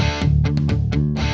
aku mau ke sana